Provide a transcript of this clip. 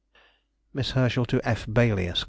_] MISS HERSCHEL TO F. BAILY, ESQ.